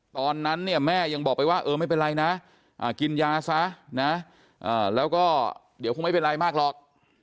ตอนนั้นเนี่ยแม่ยังบอกไปว่าเออไม่เป็นไรนะกินยาซะนะแล้วก็เดี๋ยวคงไม่เป็นไรมากหรอก